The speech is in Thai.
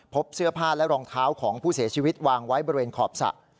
พบเสื้อผ้าและรองเท้าของผู้เสียชีวิตวางไว้บริเวณขอบสระ